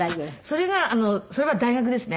それがそれは大学ですね。